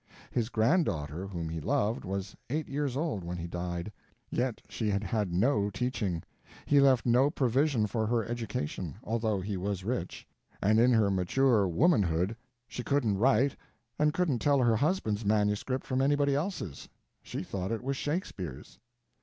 His granddaughter, whom he loved, was eight years old when he died, yet she had had no teaching, he left no provision for her education, although he was rich, and in her mature womanhood she couldn't write and couldn't tell her husband's manuscript from anybody else's—she thought it was Shakespeare's.